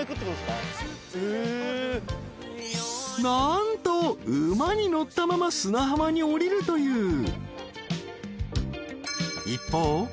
［何と馬に乗ったまま砂浜に下りるという］